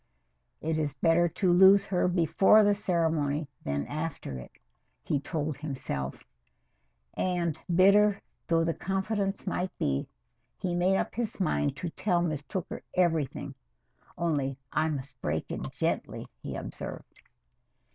"It is better to lose her before the ceremony than after it," he told himself, and, bitter though the confidence might be, he made up his mind to tell Miss Tooker everything. "Only, I must break it gently," he observed.